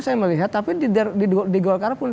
saya melihat tapi di golkar pun